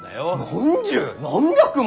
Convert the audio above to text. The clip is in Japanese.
何十何百も！？